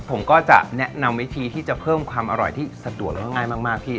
ผมก็จะแนะนำวิธีที่จะเพิ่มความอร่อยที่สะดวกแล้วก็ง่ายมากพี่